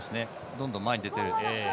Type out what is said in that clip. どんどん前に出てるので。